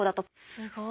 すごい。